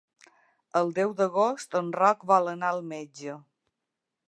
El deu d'agost en Roc vol anar al metge.